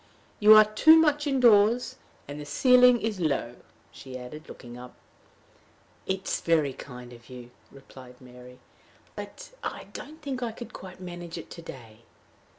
"You are too much indoors. And the ceiling is low," she added, looking up. "It is very kind of you," replied Mary, "but I don't think I could quite manage it to day."